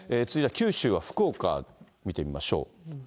続いては九州は福岡、見てみましょう。